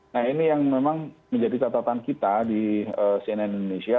nah ini yang memang menjadi catatan kita di cnn indonesia